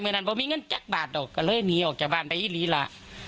เมื่อนั้นเพราะมีเงินจั๊กบาทออกก็เลยหนีออกจากบ้านไปอิหรี่ล่ะ